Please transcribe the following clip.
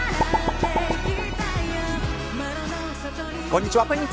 こんにちは。